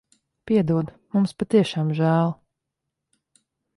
Piedod. Mums patiešām žēl.